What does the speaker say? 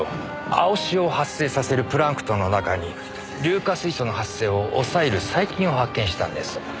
青潮を発生させるプランクトンの中に硫化水素の発生を抑える細菌を発見したんです。